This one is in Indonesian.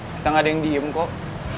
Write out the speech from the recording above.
kita nggak ada yang diem kok